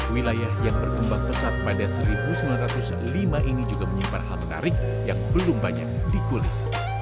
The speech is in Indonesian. wilayah yang berkembang pesat pada seribu sembilan ratus lima ini juga menyimpan hal menarik yang belum banyak dikulik